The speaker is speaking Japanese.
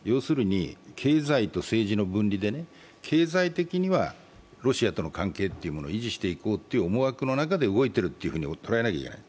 経済と政治の分離で経済的にはロシアとの関係を維持していこうという思惑の中で動いてると捉えなきゃいけない。